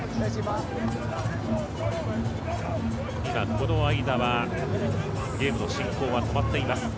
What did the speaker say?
この間は、ゲームの進行は止まっています。